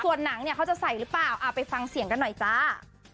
ส่วนหนังเนี่ยเขาจะใส่หรือเปล่าเอาไปฟังเสียงกันหน่อยจ้า